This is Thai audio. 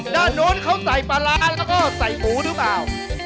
โน้นเขาใส่ปลาร้าแล้วก็ใส่หมูหรือเปล่า